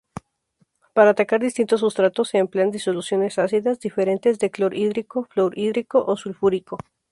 Para atacar distintos sustratos se emplean disoluciones ácidas diferentes, de clorhídrico, fluorhídrico o sulfúrico.